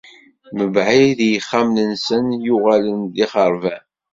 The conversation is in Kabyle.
Mebɛid i yixxamen-nsen yuɣalen d ixeṛban.